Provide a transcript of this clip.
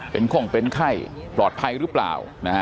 เป็นข้องเป็นไข้ปลอดภัยหรือเปล่า